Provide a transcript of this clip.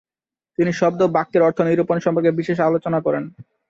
তিনি শব্দ ও বাক্যের অর্থ-নিরূপণ সম্পর্কে বিশেষ আলোচনা করেন।